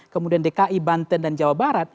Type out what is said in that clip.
kemudian dki banten dan jawa barat